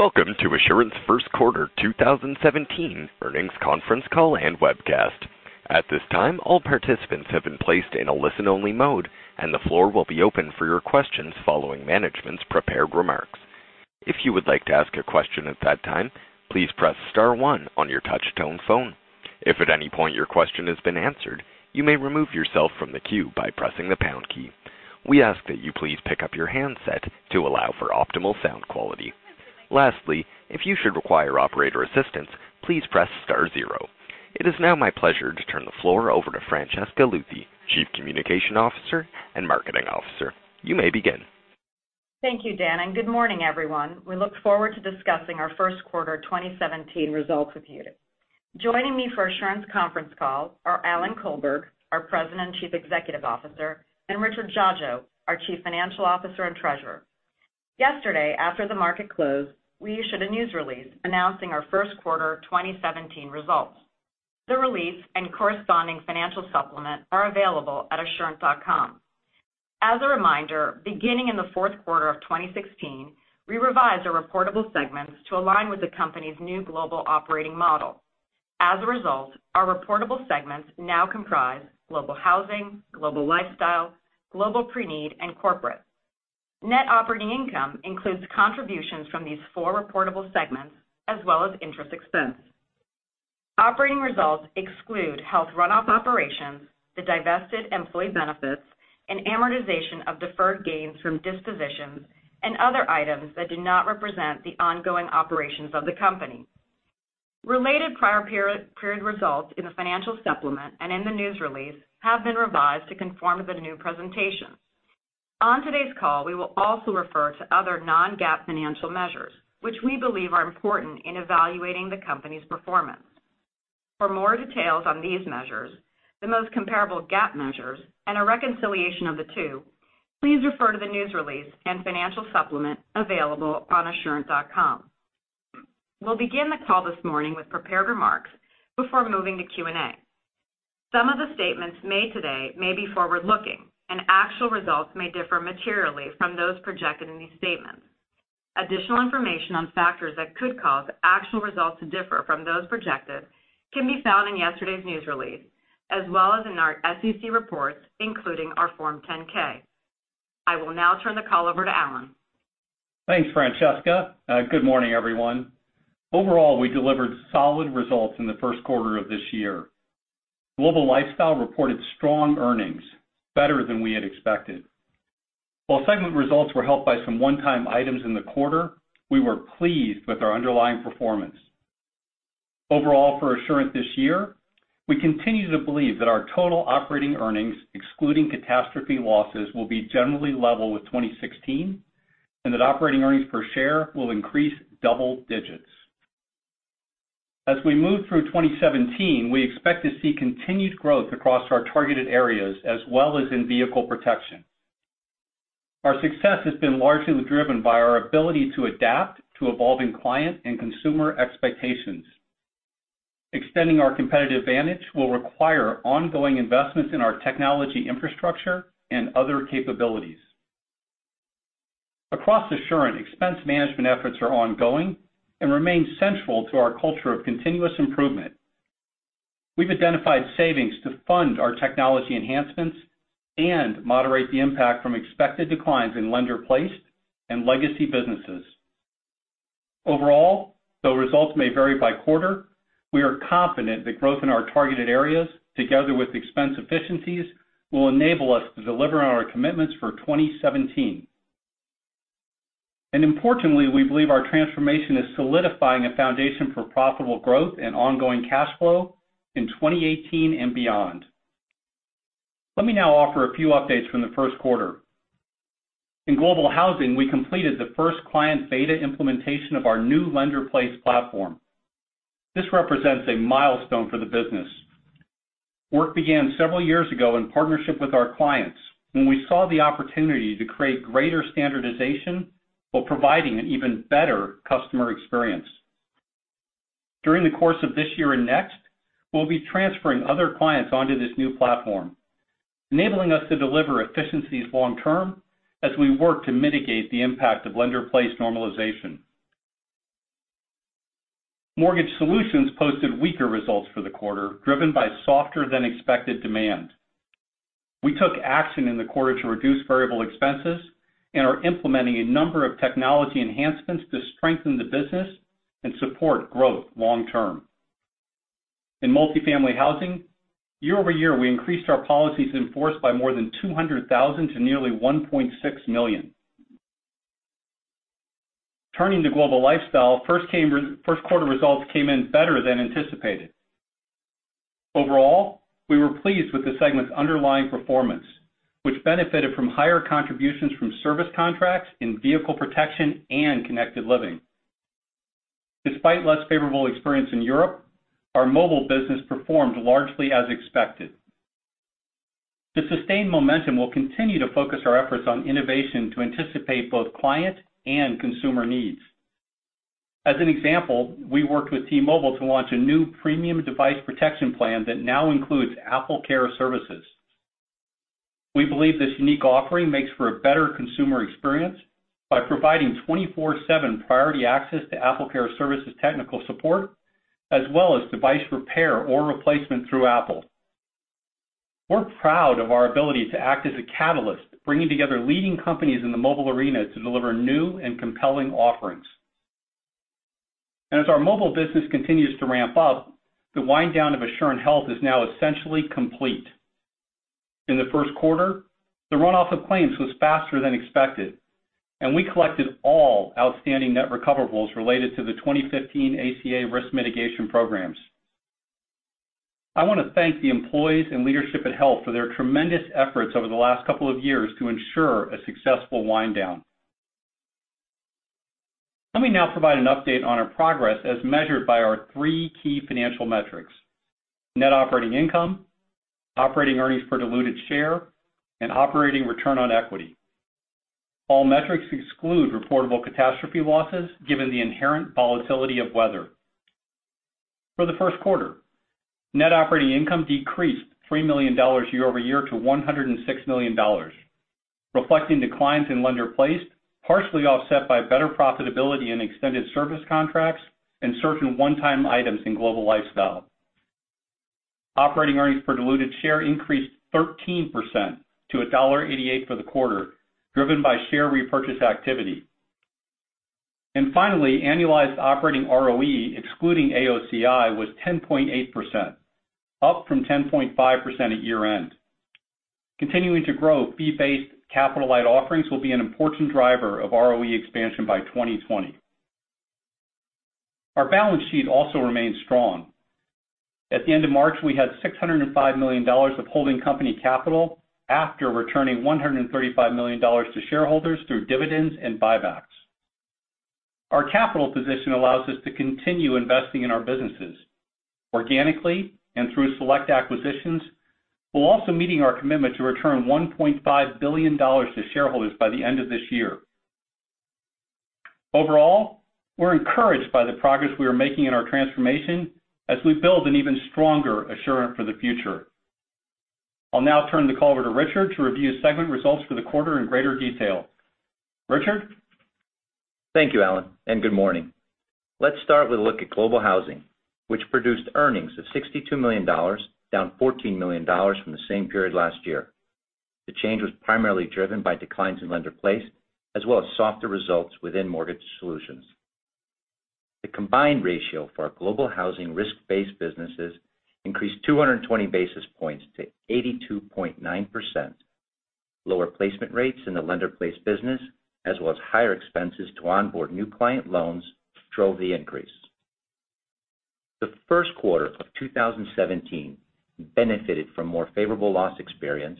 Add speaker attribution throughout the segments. Speaker 1: Welcome to Assurant's first quarter 2017 earnings conference call and webcast. At this time, all participants have been placed in a listen-only mode, and the floor will be open for your questions following management's prepared remarks. If you would like to ask a question at that time, please press star one on your touch-tone phone. If at any point your question has been answered, you may remove yourself from the queue by pressing the pound key. We ask that you please pick up your handset to allow for optimal sound quality. Lastly, if you should require operator assistance, please press star zero. It is now my pleasure to turn the floor over to Francesca Luthi, Chief Communication Officer and Marketing Officer. You may begin.
Speaker 2: Thank you, Dan. Good morning, everyone. We look forward to discussing our first quarter 2017 results with you. Joining me for Assurant's conference call are Alan Colberg, our President and Chief Executive Officer, and Richard Dziadzio, our Chief Financial Officer and Treasurer. Yesterday, after the market closed, we issued a news release announcing our first quarter 2017 results. The release and corresponding financial supplement are available at assurant.com. As a reminder, beginning in the fourth quarter of 2016, we revised our reportable segments to align with the company's new global operating model. As a result, our reportable segments now comprise Global Housing, Global Lifestyle, Global Preneed, and Corporate. Net operating income includes contributions from these four reportable segments, as well as interest expense. Operating results exclude health runoff operations, the divested Employee Benefits, amortization of deferred gains from dispositions and other items that did not represent the ongoing operations of the company. Related prior period results in the financial supplement and in the news release have been revised to conform to the new presentation. On today's call, we will also refer to other non-GAAP financial measures, which we believe are important in evaluating the company's performance. For more details on these measures, the most comparable GAAP measures, and a reconciliation of the two, please refer to the news release and financial supplement available on assurant.com. We'll begin the call this morning with prepared remarks before moving to Q&A. Some of the statements made today may be forward-looking. Actual results may differ materially from those projected in these statements. Additional information on factors that could cause actual results to differ from those projected can be found in yesterday's news release, as well as in our SEC reports, including our Form 10-K. I will now turn the call over to Alan.
Speaker 3: Thanks, Francesca. Good morning, everyone. Overall, we delivered solid results in the first quarter of this year. Global Lifestyle reported strong earnings, better than we had expected. While segment results were helped by some one-time items in the quarter, we were pleased with our underlying performance. Overall, for Assurant this year, we continue to believe that our total operating earnings, excluding catastrophe losses, will be generally level with 2016, and that operating earnings per share will increase double digits. As we move through 2017, we expect to see continued growth across our targeted areas as well as in vehicle protection. Our success has been largely driven by our ability to adapt to evolving client and consumer expectations. Extending our competitive advantage will require ongoing investments in our technology infrastructure and other capabilities. Across Assurant, expense management efforts are ongoing and remain central to our culture of continuous improvement. We've identified savings to fund our technology enhancements and moderate the impact from expected declines in lender-placed and legacy businesses. Overall, though results may vary by quarter, we are confident that growth in our targeted areas, together with expense efficiencies, will enable us to deliver on our commitments for 2017. Importantly, we believe our transformation is solidifying a foundation for profitable growth and ongoing cash flow in 2018 and beyond. Let me now offer a few updates from the first quarter. In Global Housing, we completed the first client beta implementation of our new Lender-Placed platform. This represents a milestone for the business. Work began several years ago in partnership with our clients when we saw the opportunity to create greater standardization while providing an even better customer experience. During the course of this year and next, we'll be transferring other clients onto this new platform, enabling us to deliver efficiencies long term as we work to mitigate the impact of lender place normalization. Mortgage Solutions posted weaker results for the quarter, driven by softer-than-expected demand. We took action in the quarter to reduce variable expenses and are implementing a number of technology enhancements to strengthen the business and support growth long term. In Multifamily Housing, year-over-year, we increased our policies in force by more than 200,000 to nearly 1.6 million. Turning to Global Lifestyle, first quarter results came in better than anticipated. Overall, we were pleased with the segment's underlying performance, which benefited from higher contributions from service contracts in vehicle protection and Connected Living. Despite less favorable experience in Europe, our mobile business performed largely as expected. To sustain momentum, we'll continue to focus our efforts on innovation to anticipate both client and consumer needs. As an example, we worked with T-Mobile to launch a new premium device protection plan that now includes AppleCare services. We believe this unique offering makes for a better consumer experience by providing 24/7 priority access to AppleCare services technical support, as well as device repair or replacement through Apple. We're proud of our ability to act as a catalyst, bringing together leading companies in the mobile arena to deliver new and compelling offerings. As our mobile business continues to ramp up, the wind down of Assurant Health is now essentially complete. In the first quarter, the runoff of claims was faster than expected, and we collected all outstanding net recoverables related to the 2015 ACA risk mitigation programs. I want to thank the employees and leadership at Assurant Health for their tremendous efforts over the last couple of years to ensure a successful wind down. Let me now provide an update on our progress as measured by our three key financial metrics: net operating income, operating earnings per diluted share, and operating return on equity. All metrics exclude reportable catastrophe losses, given the inherent volatility of weather. For the first quarter, net operating income decreased $3 million year-over-year to $106 million, reflecting declines in Lender-Placed, partially offset by better profitability in extended service contracts and certain one-time items in Global Lifestyle. Operating earnings per diluted share increased 13% to $1.88 for the quarter, driven by share repurchase activity. Finally, annualized operating ROE, excluding AOCI, was 10.8%, up from 10.5% at year-end. Continuing to grow fee-based capital light offerings will be an important driver of ROE expansion by 2020. Our balance sheet also remains strong. At the end of March, we had $605 million of holding company capital after returning $135 million to shareholders through dividends and buybacks. Our capital position allows us to continue investing in our businesses organically and through select acquisitions, while also meeting our commitment to return $1.5 billion to shareholders by the end of this year. Overall, we're encouraged by the progress we are making in our transformation as we build an even stronger Assurant for the future. I'll now turn the call over to Richard to review segment results for the quarter in greater detail. Richard?
Speaker 4: Thank you, Alan, and good morning. Let's start with a look at Global Housing, which produced earnings of $62 million, down $14 million from the same period last year. The change was primarily driven by declines in Lender-Placed as well as softer results within Mortgage Solutions. The combined ratio for our Global Housing risk-based businesses increased 220 basis points to 82.9%. Lower placement rates in the Lender-Placed business as well as higher expenses to onboard new client loans drove the increase. The first quarter of 2017 benefited from more favorable loss experience.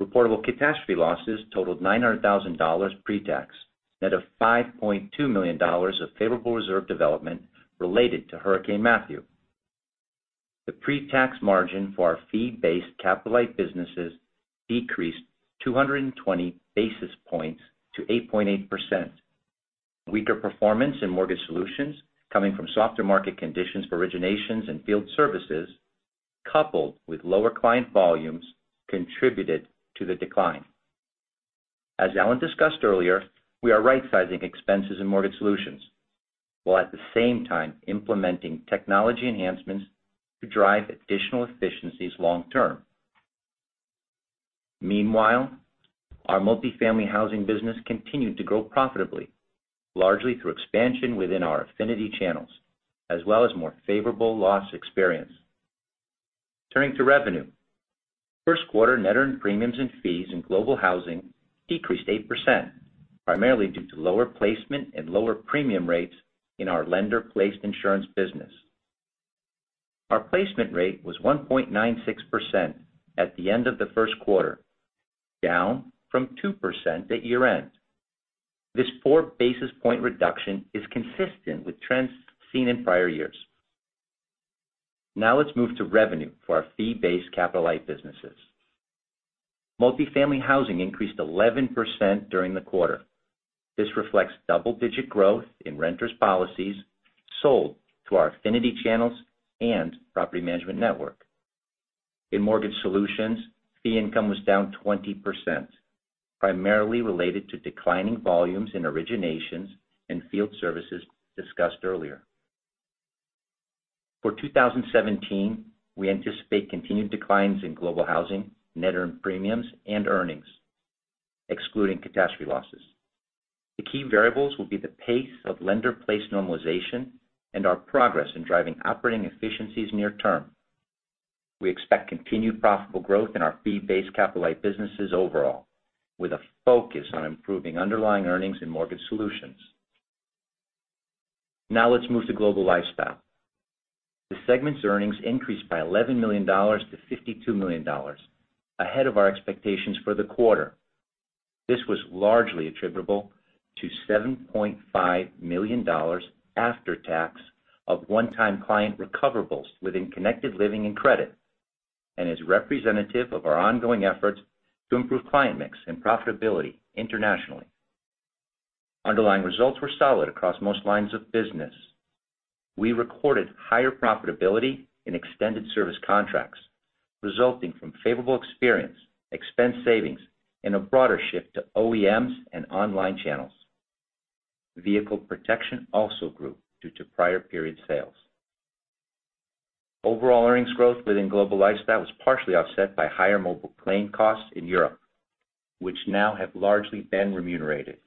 Speaker 4: Reportable catastrophe losses totaled $900,000 pre-tax, net of $5.2 million of favorable reserve development related to Hurricane Matthew. The pre-tax margin for our fee-based capital light businesses decreased 220 basis points to 8.8%. Weaker performance in Mortgage Solutions, coming from softer market conditions for originations and field services, coupled with lower client volumes, contributed to the decline. As Alan discussed earlier, we are rightsizing expenses and Mortgage Solutions, while at the same time implementing technology enhancements to drive additional efficiencies long term. Meanwhile, our Multifamily Housing business continued to grow profitably, largely through expansion within our affinity channels, as well as more favorable loss experience. Turning to revenue. First quarter net earned premiums and fees in Global Housing decreased 8%, primarily due to lower placement and lower premium rates in our Lender-Placed Insurance business. Our placement rate was 1.96% at the end of the first quarter, down from 2% at year-end. This four basis point reduction is consistent with trends seen in prior years. Now let's move to revenue for our fee-based capital light businesses. Multifamily Housing increased 11% during the quarter. This reflects double-digit growth in renters' policies sold to our affinity channels and property management network. In Mortgage Solutions, fee income was down 20%, primarily related to declining volumes in originations and field services discussed earlier. For 2017, we anticipate continued declines in Global Housing, net earned premiums and earnings, excluding catastrophe losses. The key variables will be the pace of Lender-Placed normalization and our progress in driving operating efficiencies near term. We expect continued profitable growth in our fee-based capital light businesses overall, with a focus on improving underlying earnings in Mortgage Solutions. Now let's move to Global Lifestyle. The segment's earnings increased by $11 million to $52 million, ahead of our expectations for the quarter. This was largely attributable to $7.5 million after tax of one-time client recoverables within Connected Living and credit and is representative of our ongoing efforts to improve client mix and profitability internationally. Underlying results were solid across most lines of business. We recorded higher profitability in extended service contracts resulting from favorable experience, expense savings, and a broader shift to OEMs and online channels. Vehicle Protection also grew due to prior period sales. Overall earnings growth within Global Lifestyle was partially offset by higher mobile claim costs in Europe, which now have largely been remunerated.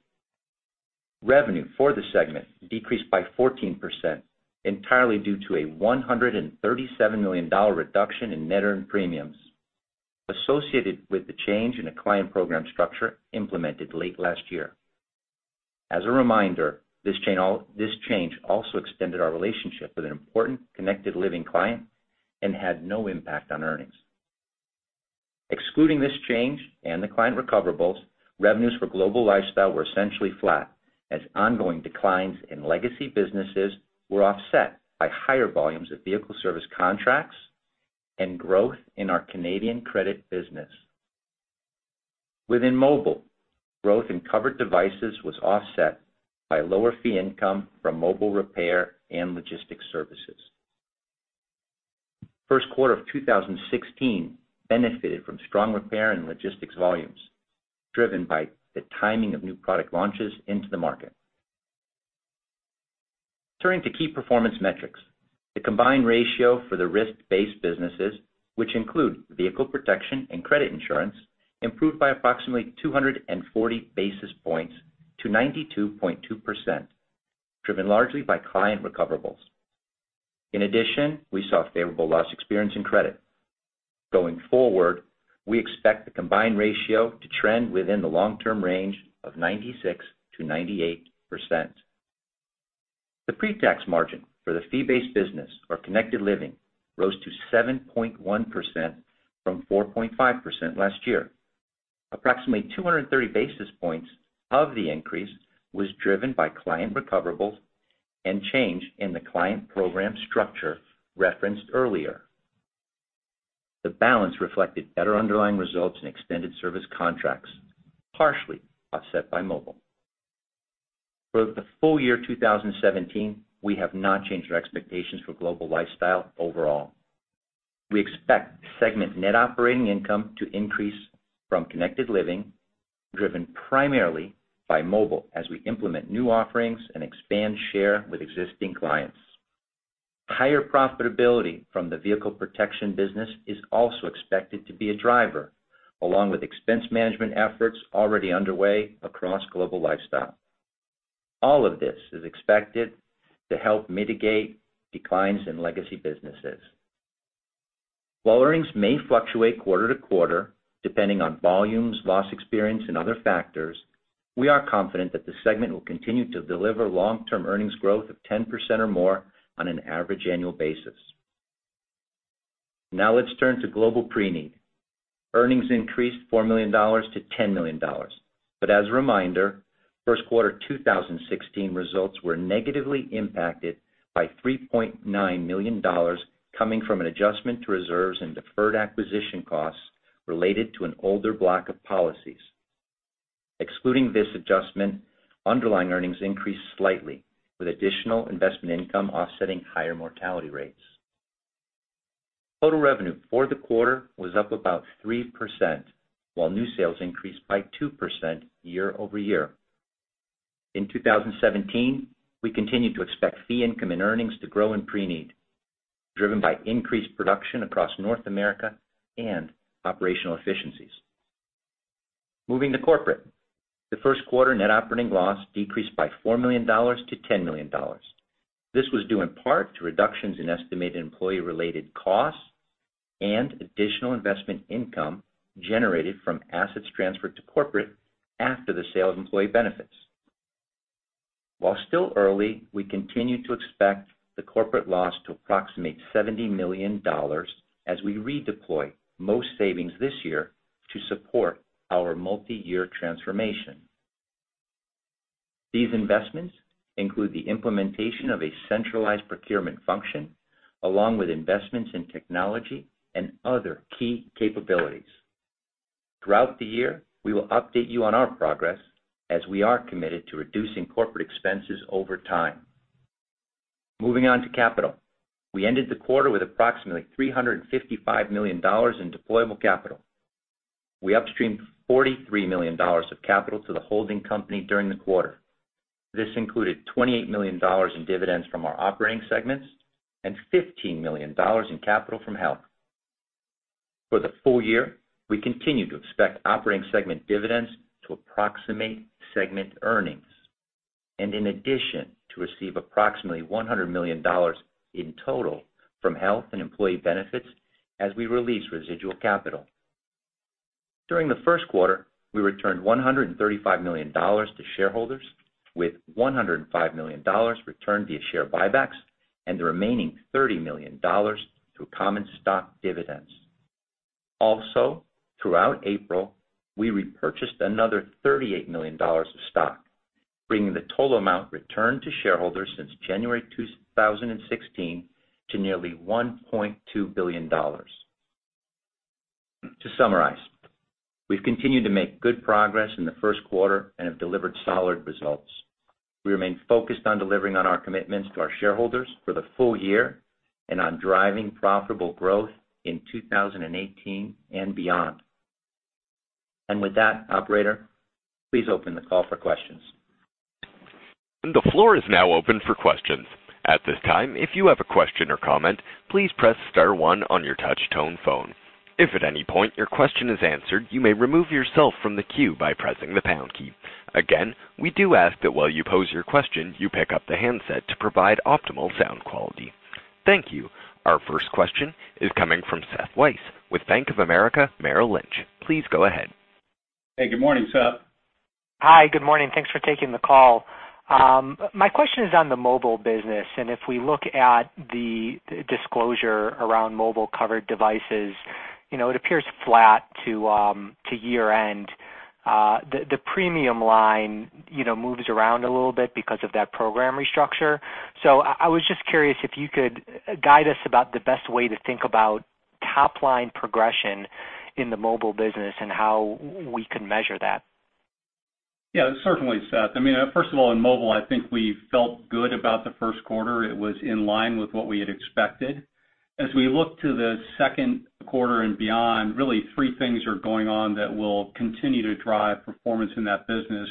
Speaker 4: Revenue for the segment decreased by 14%, entirely due to a $137 million reduction in net earned premiums associated with the change in the client program structure implemented late last year. As a reminder, this change also extended our relationship with an important Connected Living client and had no impact on earnings. Excluding this change and the client recoverables, revenues for Global Lifestyle were essentially flat as ongoing declines in legacy businesses were offset by higher volumes of vehicle service contracts and growth in our Canadian credit business. Within mobile, growth in covered devices was offset by lower fee income from mobile repair and logistics services. First quarter of 2016 benefited from strong repair and logistics volumes, driven by the timing of new product launches into the market. Turning to key performance metrics, the combined ratio for the risk-based businesses, which include Vehicle Protection and credit insurance, improved by approximately 240 basis points to 92.2%, driven largely by client recoverables. In addition, we saw favorable loss experience in credit. Going forward, we expect the combined ratio to trend within the long-term range of 96%-98%. The pre-tax margin for the fee-based business or Connected Living rose to 7.1% from 4.5% last year. Approximately 230 basis points of the increase was driven by client recoverables and change in the client program structure referenced earlier. The balance reflected better underlying results in extended service contracts, partially offset by mobile. For the full year 2017, we have not changed our expectations for Global Lifestyle overall. We expect segment net operating income to increase from Connected Living, driven primarily by mobile as we implement new offerings and expand share with existing clients. Higher profitability from the Vehicle Protection business is also expected to be a driver, along with expense management efforts already underway across Global Lifestyle. All of this is expected to help mitigate declines in legacy businesses. While earnings may fluctuate quarter to quarter, depending on volumes, loss experience, and other factors, we are confident that the segment will continue to deliver long-term earnings growth of 10% or more on an average annual basis. Now let's turn to Global Preneed. Earnings increased $4 million to $10 million. As a reminder, first quarter 2016 results were negatively impacted by $3.9 million coming from an adjustment to reserves and deferred acquisition costs related to an older block of policies. Excluding this adjustment, underlying earnings increased slightly, with additional investment income offsetting higher mortality rates. Total revenue for the quarter was up about 3%, while new sales increased by 2% year-over-year. In 2017, we continue to expect fee income and earnings to grow in Pre-need, driven by increased production across North America and operational efficiencies. Moving to Corporate, the first quarter net operating loss decreased by $4 million to $10 million. This was due in part to reductions in estimated employee-related costs and additional investment income generated from assets transferred to Corporate after the sale of Employee Benefits. While still early, we continue to expect the Corporate loss to approximate $70 million as we redeploy most savings this year to support our multi-year transformation. These investments include the implementation of a centralized procurement function, along with investments in technology and other key capabilities. Throughout the year, we will update you on our progress as we are committed to reducing Corporate expenses over time. Moving on to capital, we ended the quarter with approximately $355 million in deployable capital. We upstreamed $43 million of capital to the holding company during the quarter. This included $28 million in dividends from our operating segments and $15 million in capital from Health. For the full year, we continue to expect operating segment dividends to approximate segment earnings, and in addition, to receive approximately $100 million in total from Health and Employee Benefits as we release residual capital. During the first quarter, we returned $135 million to shareholders, with $105 million returned via share buybacks and the remaining $30 million through common stock dividends. Also, throughout April, we repurchased another $38 million of stock, bringing the total amount returned to shareholders since January 2016 to nearly $1.2 billion.
Speaker 3: To summarize, we've continued to make good progress in the first quarter and have delivered solid results. We remain focused on delivering on our commitments to our shareholders for the full year and on driving profitable growth in 2018 and beyond. With that, operator, please open the call for questions.
Speaker 1: The floor is now open for questions. At this time, if you have a question or comment, please press star one on your touch-tone phone. If at any point your question is answered, you may remove yourself from the queue by pressing the pound key. Again, we do ask that while you pose your question, you pick up the handset to provide optimal sound quality. Thank you. Our first question is coming from Seth Weiss with Bank of America Merrill Lynch. Please go ahead.
Speaker 3: Hey, good morning, Seth.
Speaker 5: Hi, good morning. Thanks for taking the call. My question is on the mobile business. If we look at the disclosure around mobile covered devices, it appears flat to year-end. The premium line moves around a little bit because of that program restructure. I was just curious if you could guide us about the best way to think about top-line progression in the mobile business and how we can measure that.
Speaker 3: Yeah. Certainly, Seth. First of all, in mobile, I think we felt good about the first quarter. It was in line with what we had expected. As we look to the second quarter and beyond, really three things are going on that will continue to drive performance in that business.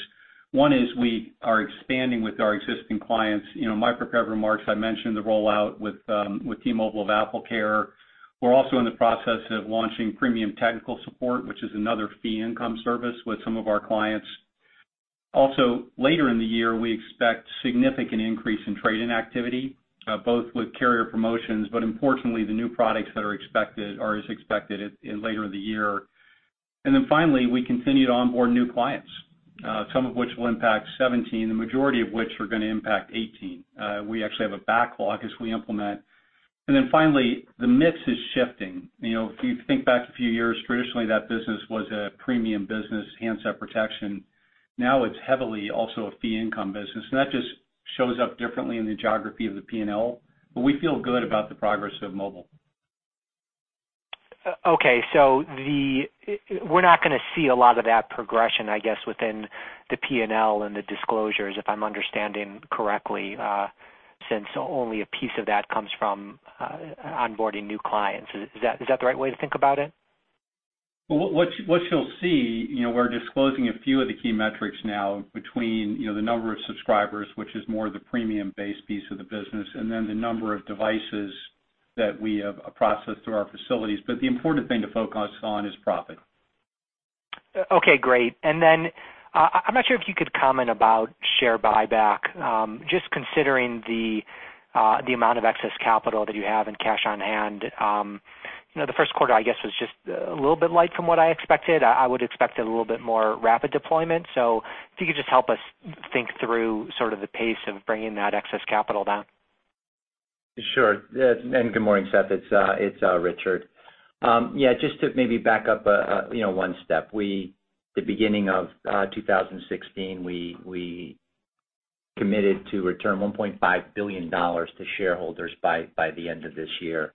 Speaker 3: One is we are expanding with our existing clients. In my prepared remarks, I mentioned the rollout with T-Mobile of AppleCare. We're also in the process of launching premium technical support, which is another fee income service with some of our clients. Later in the year, we expect significant increase in trade-in activity, both with carrier promotions, but importantly, the new products that are expected or is expected later in the year. Finally, we continued to onboard new clients, some of which will impact 2017, the majority of which are going to impact 2018. We actually have a backlog as we implement. Finally, the mix is shifting. If you think back a few years, traditionally, that business was a premium business, handset protection. Now it's heavily also a fee income business, and that just shows up differently in the geography of the P&L. We feel good about the progress of mobile.
Speaker 5: Okay. We're not going to see a lot of that progression, I guess, within the P&L and the disclosures, if I'm understanding correctly, since only a piece of that comes from onboarding new clients. Is that the right way to think about it?
Speaker 3: What you'll see, we're disclosing a few of the key metrics now between the number of subscribers, which is more the premium-based piece of the business, and then the number of devices that we have processed through our facilities. The important thing to focus on is profit.
Speaker 5: Okay, great. I'm not sure if you could comment about share buyback. Just considering the amount of excess capital that you have and cash on hand. The first quarter, I guess, was just a little bit light from what I expected. I would expect a little bit more rapid deployment. If you could just help us think through sort of the pace of bringing that excess capital down.
Speaker 4: Good morning, Seth, it's Richard. Just to maybe back up one step. The beginning of 2016, we committed to return $1.5 billion to shareholders by the end of this year.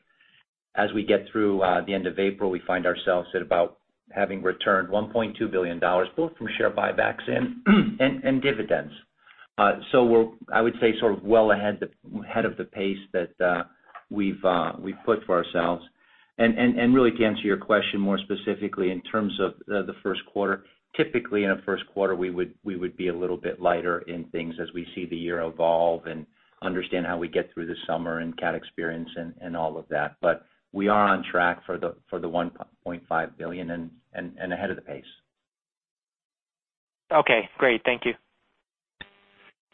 Speaker 4: As we get through the end of April, we find ourselves at about having returned $1.2 billion, both from share buybacks and dividends. We're, I would say, sort of well ahead of the pace that we've put for ourselves. Really, to answer your question more specifically in terms of the first quarter, typically in a first quarter, we would be a little bit lighter in things as we see the year evolve and understand how we get through the summer and cat experience and all of that. We are on track for the $1.5 billion and ahead of the pace.
Speaker 5: Okay, great. Thank you.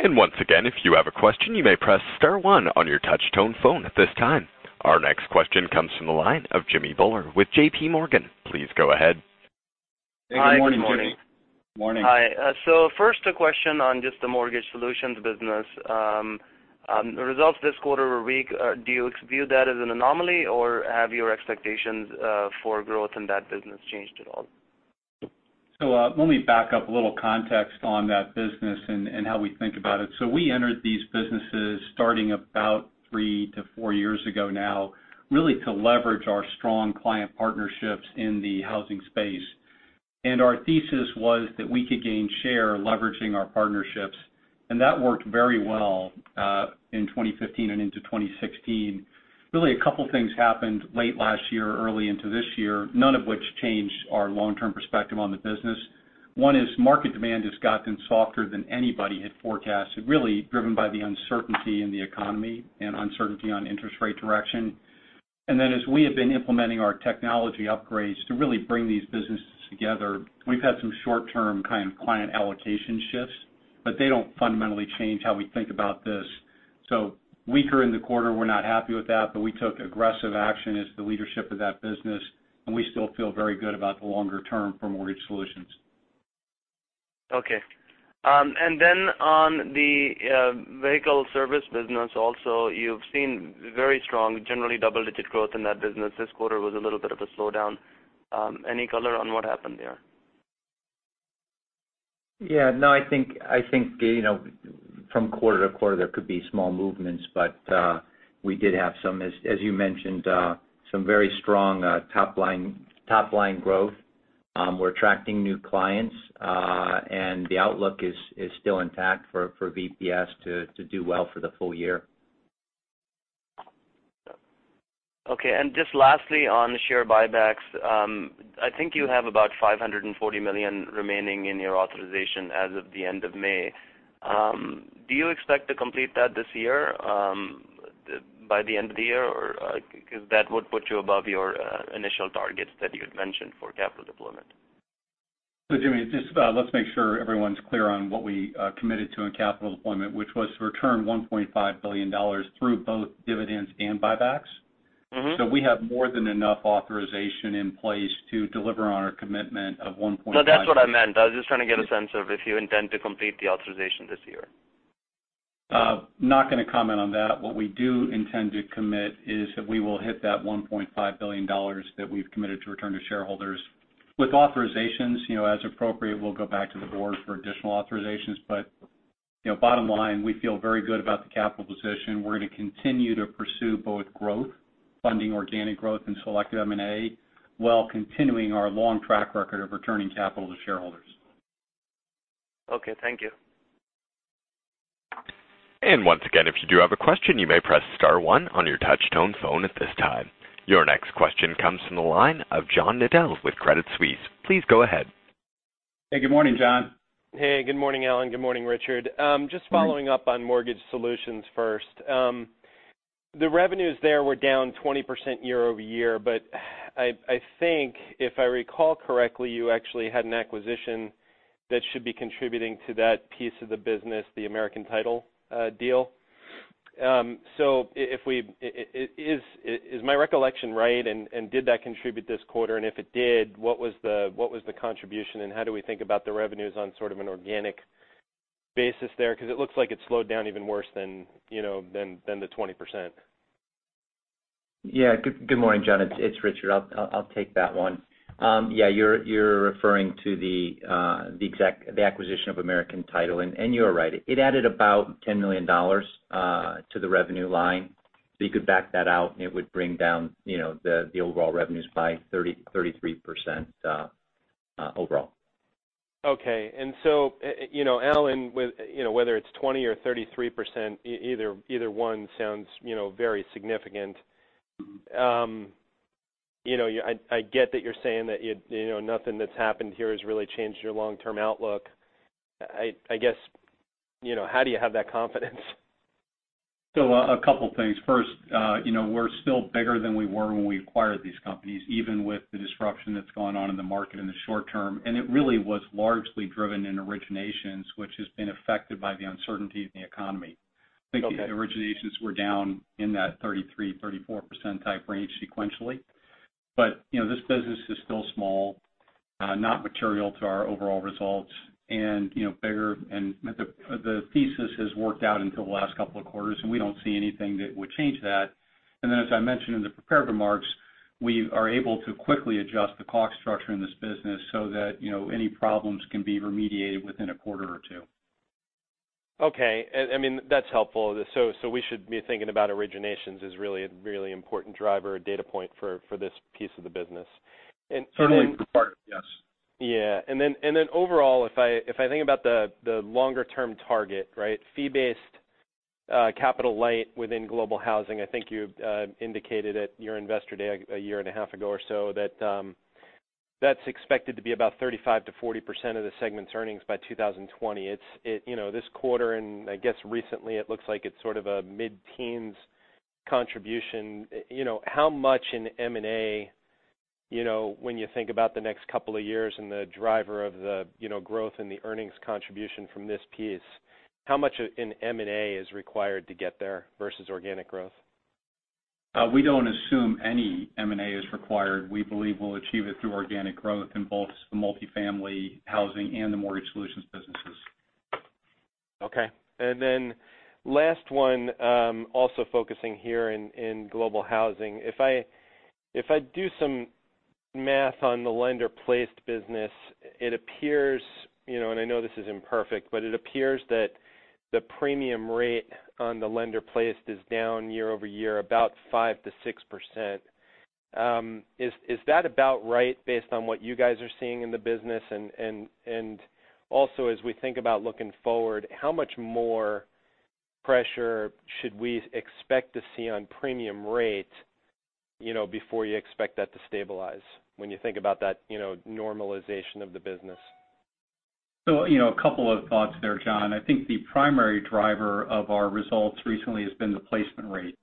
Speaker 5: Once again, if you have a question, you may press star one on your touch-tone phone at this time. Our next question comes from the line of Jammie Bhullar with JPMorgan. Please go ahead.
Speaker 3: Good morning, Jimmy.
Speaker 6: Hi, good morning. Morning. Hi. First, a question on just the Mortgage Solutions business. The results this quarter were weak. Do you view that as an anomaly, or have your expectations for growth in that business changed at all?
Speaker 3: Let me back up, a little context on that business and how we think about it. We entered these businesses starting about three to four years ago now, really to leverage our strong client partnerships in the housing space. Our thesis was that we could gain share leveraging our partnerships, and that worked very well in 2015 and into 2016. Really, a couple things happened late last year, early into this year, none of which changed our long-term perspective on the business. One is market demand has gotten softer than anybody had forecasted, really driven by the uncertainty in the economy and uncertainty on interest rate direction. As we have been implementing our technology upgrades to really bring these businesses together, we've had some short-term kind of client allocation shifts, but they don't fundamentally change how we think about this. Weaker in the quarter, we're not happy with that, but we took aggressive action as the leadership of that business, and we still feel very good about the longer term for Mortgage Solutions.
Speaker 6: Okay. On the Vehicle Protection Services business also, you've seen very strong, generally double-digit growth in that business. This quarter was a little bit of a slowdown. Any color on what happened there?
Speaker 4: Yeah. No, I think from quarter to quarter there could be small movements, we did have some, as you mentioned, some very strong top-line growth. We're attracting new clients, the outlook is still intact for VPS to do well for the full year.
Speaker 6: Okay, just lastly, on share buybacks. I think you have about $540 million remaining in your authorization as of the end of May. Do you expect to complete that this year, by the end of the year? That would put you above your initial targets that you had mentioned for capital deployment.
Speaker 3: Jimmy, just let's make sure everyone's clear on what we committed to in capital deployment, which was to return $1.5 billion through both dividends and buybacks. We have more than enough authorization in place to deliver on our commitment of $1.5 billion.
Speaker 6: No, that's what I meant. I was just trying to get a sense of if you intend to complete the authorization this year.
Speaker 3: Not going to comment on that. What we do intend to commit is that we will hit that $1.5 billion that we've committed to return to shareholders. With authorizations, as appropriate, we'll go back to the board for additional authorizations. Bottom line, we feel very good about the capital position. We're going to continue to pursue both growth, funding organic growth, and selective M&A while continuing our long track record of returning capital to shareholders.
Speaker 6: Okay. Thank you.
Speaker 1: Once again, if you do have a question, you may press star one on your touch-tone phone at this time. Your next question comes from the line of John Nadel with Credit Suisse. Please go ahead.
Speaker 3: Hey, good morning, John.
Speaker 7: Hey, good morning, Alan. Good morning, Richard. Just following up on Mortgage Solutions first. The revenues there were down 20% year-over-year, but I think if I recall correctly, you actually had an acquisition that should be contributing to that piece of the business, the American Title deal. Is my recollection right, and did that contribute this quarter? If it did, what was the contribution and how do we think about the revenues on sort of an organic basis there? It looks like it slowed down even worse than the 20%.
Speaker 4: Yeah. Good morning, John. It's Richard. I'll take that one. Yeah, you're referring to the acquisition of American Title, and you are right. It added about $10 million to the revenue line. You could back that out, and it would bring down the overall revenues by 33% overall.
Speaker 7: Okay. Alan, whether it's 20% or 33%, either one sounds very significant. I get that you're saying that nothing that's happened here has really changed your long-term outlook. I guess, how do you have that confidence?
Speaker 3: A couple things. First, we're still bigger than we were when we acquired these companies, even with the disruption that's gone on in the market in the short term. It really was largely driven in originations, which has been affected by the uncertainty in the economy.
Speaker 7: Okay.
Speaker 3: I think the originations were down in that 33%, 34% type range sequentially. This business is still small, not material to our overall results. The thesis has worked out until the last couple of quarters, and we don't see anything that would change that. Then, as I mentioned in the prepared remarks, we are able to quickly adjust the cost structure in this business so that any problems can be remediated within a quarter or two.
Speaker 7: Okay. That's helpful. We should be thinking about originations as really an important driver or data point for this piece of the business.
Speaker 3: Certainly for part of it, yes.
Speaker 7: Yeah. Overall, if I think about the longer-term target, fee-based capital light within Global Housing, I think you indicated at your investor day a year and a half ago or so that that's expected to be about 35%-40% of the segment's earnings by 2020. This quarter, I guess recently, it looks like it's sort of a mid-teens contribution. How much in M&A, when you think about the next couple of years and the driver of the growth in the earnings contribution from this piece, how much in M&A is required to get there versus organic growth?
Speaker 3: We don't assume any M&A is required. We believe we'll achieve it through organic growth in both the Multifamily Housing and the Mortgage Solutions businesses.
Speaker 7: Okay. Last one, also focusing here in Global Housing. If I do some math on the Lender-Placed business, it appears, I know this is imperfect, but it appears that the premium rate on the Lender-Placed is down year-over-year about 5%-6%. Is that about right based on what you guys are seeing in the business? Also as we think about looking forward, how much more pressure should we expect to see on premium rates before you expect that to stabilize when you think about that normalization of the business?
Speaker 3: A couple of thoughts there, John. I think the primary driver of our results recently has been the placement rate,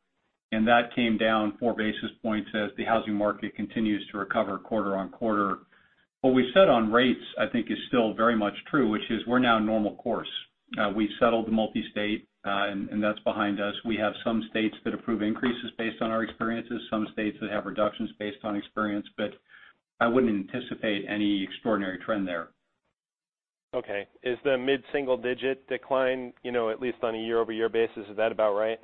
Speaker 3: and that came down four basis points as the housing market continues to recover quarter-on-quarter. What we said on rates, I think, is still very much true, which is we're now normal course. We settled the Multi-State, and that's behind us. We have some states that approve increases based on our experiences, some states that have reductions based on experience, but I wouldn't anticipate any extraordinary trend there.
Speaker 7: Okay. Is the mid-single-digit decline, at least on a year-over-year basis, is that about right?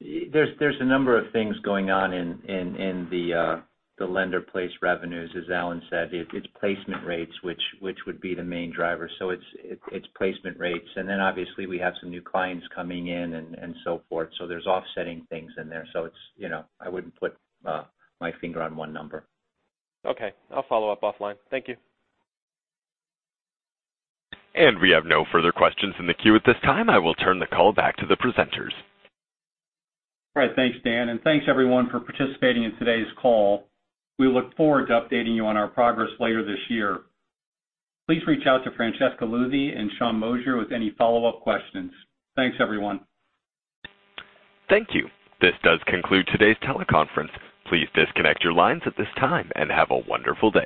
Speaker 4: There's a number of things going on in the Lender-Placed revenues. As Alan said, it's placement rates which would be the main driver. It's placement rates. Then obviously we have some new clients coming in and so forth. There's offsetting things in there. I wouldn't put my finger on one number.
Speaker 7: Okay. I'll follow up offline. Thank you.
Speaker 1: We have no further questions in the queue at this time. I will turn the call back to the presenters.
Speaker 3: All right. Thanks, Dan, and thanks everyone for participating in today's call. We look forward to updating you on our progress later this year. Please reach out to Francesca Luthi and Sean Moshier with any follow-up questions. Thanks, everyone.
Speaker 1: Thank you. This does conclude today's teleconference. Please disconnect your lines at this time and have a wonderful day.